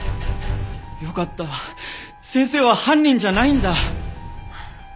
よかった先生は犯人じゃないんだ。